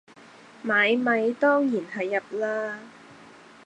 買米當然係入喇